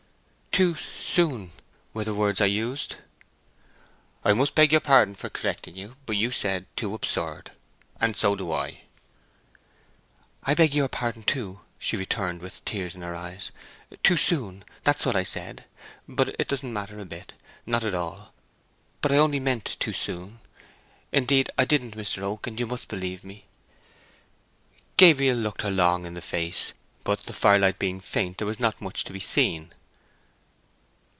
"'Too—s s soon' were the words I used." "I must beg your pardon for correcting you, but you said, 'too absurd,' and so do I." "I beg your pardon too!" she returned, with tears in her eyes. "'Too soon' was what I said. But it doesn't matter a bit—not at all—but I only meant, 'too soon.' Indeed, I didn't, Mr. Oak, and you must believe me!" Gabriel looked her long in the face, but the firelight being faint there was not much to be seen.